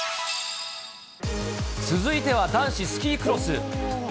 続いては男子スキークロス。